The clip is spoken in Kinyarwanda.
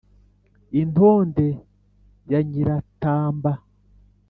i ntonde ya nyiratamba,